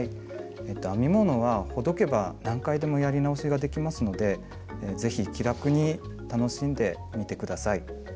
編み物はほどけば何回でもやり直しができますので是非気楽に楽しんでみて下さい。